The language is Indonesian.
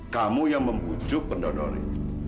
kamu yang membujuk pendonori